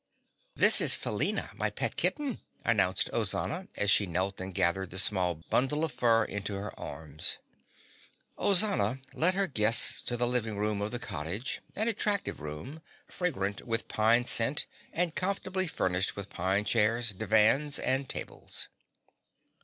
"This is Felina, my pet kitten," announced Ozana as she knelt and gathered the small bundle of fur into her arms. Ozana led her guests to the living room of the cottage, an attractive room, fragrant with pine scent and comfortably furnished with pine chairs, divans and tables.